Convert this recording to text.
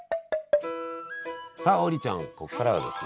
さあ王林ちゃんこっからはですね